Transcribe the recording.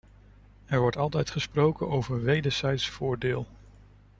Er wordt altijd gesproken over wederzijds voordeel.